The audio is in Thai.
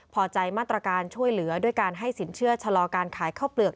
พอใจมาตรการช่วยเหลือด้วยการให้สินเชื่อชะลอการขายข้าวเปลือก